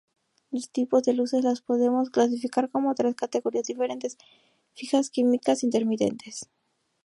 Los tipos de luces los podemos clasificar como tres categorías diferentes: fijas, químicas, intermitentes.